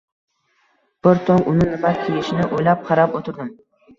Bir tong uni nima kiyishini o‘ylab, qarab o‘tirdim